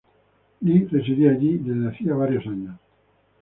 Lee residía allí desde hacia varios años.